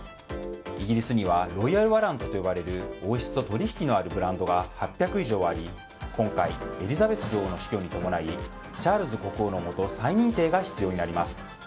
イギリスにはロイヤル・ワラントと呼ばれる王室と取引のあるブランドが８００以上あり今回エリザベス女王の死去に伴いチャールズ国王のもと再認定が必要になります。